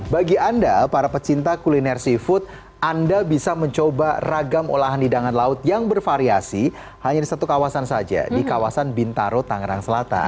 bagi anda para pecinta kuliner seafood anda bisa mencoba ragam olahan hidangan laut yang bervariasi hanya di satu kawasan saja di kawasan bintaro tangerang selatan